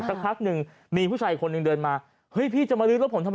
สักพักหนึ่งมีผู้ชายคนหนึ่งเดินมาเฮ้ยพี่จะมาลื้อรถผมทำไม